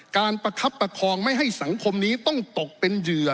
ประคับประคองไม่ให้สังคมนี้ต้องตกเป็นเหยื่อ